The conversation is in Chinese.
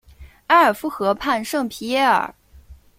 埃尔夫河畔圣皮耶尔。